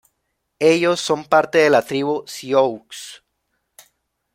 Ellos son parte de la tribu "sioux".